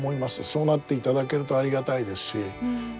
そうなっていただけるとありがたいですし